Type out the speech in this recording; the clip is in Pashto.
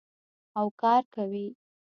او کار کوي.